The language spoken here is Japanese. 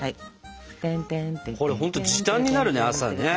これほんと時短になるね朝ね。